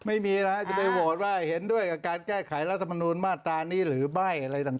ไม่มีนะจะไปโหวตว่าเห็นด้วยกับการแก้ไขรัฐมนุนมาตรานี้หรือไม่อะไรต่าง